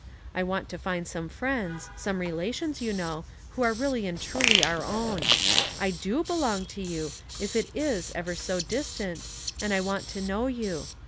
I want to find some friends — some relations, you know, who are really and truly our o\vn. I do belong to you, if it is ever so distant, and I want to know you.